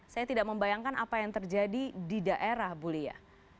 saya tidak membayangkan apa yang terjadi di daerah bu lia